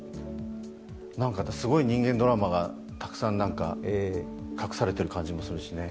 なんか、すごい人間ドラマがたくさん隠されてる感じもするしね。